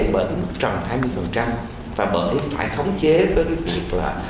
bởi một trăm hai mươi và phải khống chế với cái việc là